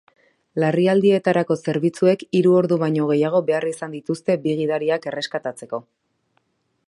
Larrialdietarako zerbitzuek hiru ordu baino gehiago behar izan dituzte bi gidariak erreskatatzeko.